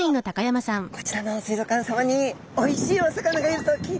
こちらの水族館さまにおいしいお魚がいると聞いたんですが。